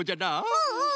うんうん。